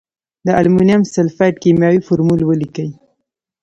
د المونیم سلفیټ کیمیاوي فورمول ولیکئ.